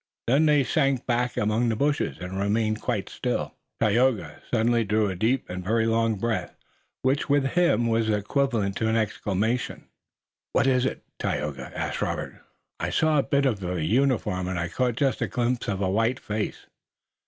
Then they sank back among the bushes and remained quite still. Tayoga suddenly drew a deep and very long breath, which with him was equivalent to an exclamation. "What is it, Tayoga?" asked Robert. "I saw a bit of a uniform, and I caught just a glimpse of a white face."